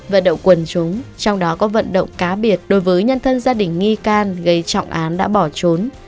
vận động quần chúng trong đó có vận động cá biệt đối với nhân thân gia đình nghi can gây trọng án đã bỏ trốn